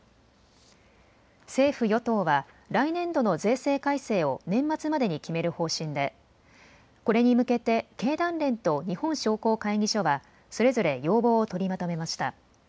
政府・与党は来年度の税制改正を年末までに決める方針でこれに向けて経団連と日本商工会議所はそれぞれ要望を取りまとめました。